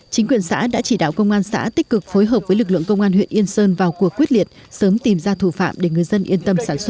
chính quyền xã đã chỉ đạo công an xã tích cực phối hợp với lực lượng công an huyện yên sơn